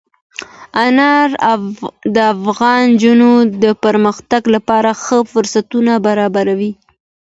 انار د افغان نجونو د پرمختګ لپاره ښه فرصتونه برابروي.